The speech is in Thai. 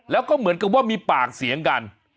แล้วก็เหมือนกับว่ามีปากเสียงกัน